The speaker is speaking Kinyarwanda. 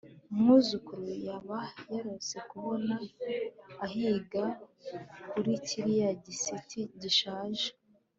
Umwuzukuru yaba yarose kubona ahiga kuri kiriya giti gishaje